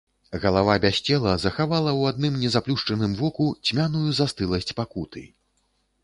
Галава без цела захавала ў адным незаплюшчаным воку цьмяную застыласць пакуты.